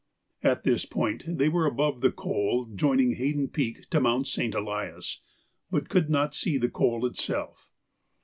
At this point they were above the col joining Haydon Peak to Mount St. Elias, but could not see the col itself.